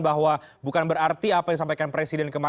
nah itu tahapannya misalnya setelah